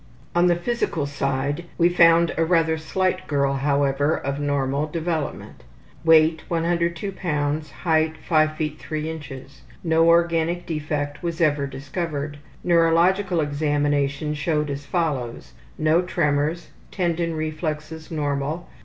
On the physical side we found a rather slight girl, however, of normal development. Weight 102 lbs.; height 5 ft. 3 in. No organic defect was ever discovered. Neurological examination showed as follows: No tremors. Tendon reflexes normal.